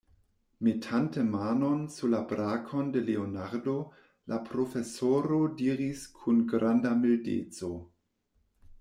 Metante manon sur la brakon de Leonardo, la profesoro diris kun granda mildeco: